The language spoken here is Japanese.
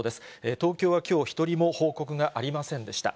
東京はきょう１人も報告がありませんでした。